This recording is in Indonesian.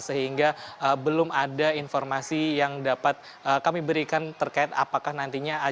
sehingga belum ada informasi yang dapat kami berikan terkait apakah nantinya